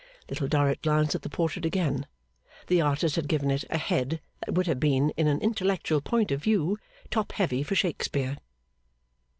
Little Dorrit glanced at the portrait again. The artist had given it a head that would have been, in an intellectual point of view, top heavy for Shakespeare.